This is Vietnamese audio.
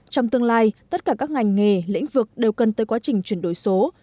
trong tương lai tất cả các ngành nghề lĩnh vực đều cần tới quá trình chuyển đổi số